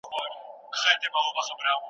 موږ به په شخړو کي نجوني نه ورکوو.